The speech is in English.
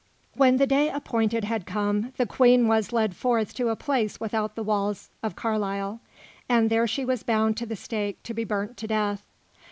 When the day appointed had come, the Queen was led forth to a place without the walls of Carlisle, and there she was bound to the stake to be burnt to death.